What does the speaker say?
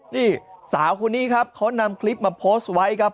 นี่สาวคนนี้ครับเขานำคลิปมาโพสต์ไว้ครับ